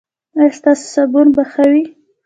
ایا ستاسو صابون به ښه وي؟